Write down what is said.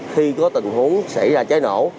khi có tình huống xảy ra cháy nổ